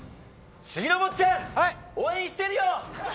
杉野坊ちゃん、応援してるよ。